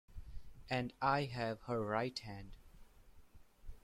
And I have her right hand.